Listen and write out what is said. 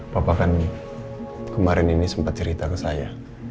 papa kan kemarin ini sempat cerita ke saya